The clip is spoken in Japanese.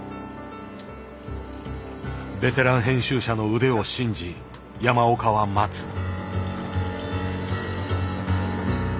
ベテラン編集者の腕を信じ山岡は待つ。